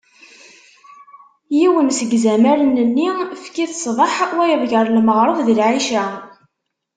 Yiwen seg izamaren-nni, efk-it ṣṣbeḥ, wayeḍ gar lmeɣreb d lɛica.